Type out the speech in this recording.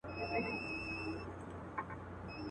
نه ټپه سته په میوند کي نه یې شور په ملالۍ کي.